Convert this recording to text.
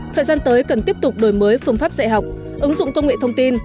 thời gian tới cần tiếp tục đổi mới phương pháp dạy học ứng dụng công nghệ thông tin